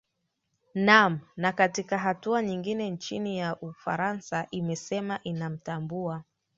naam na katika hatua nyingine nchi ya ufaransa imesema inamtambua